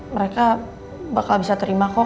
mereka bakal bisa terima kok